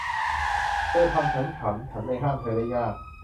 เธอทำฉันขำ ฉันเลยห้ามเธอได้ยาก